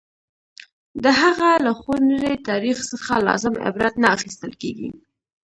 د هغه له خونړي تاریخ څخه لازم عبرت نه اخیستل کېږي.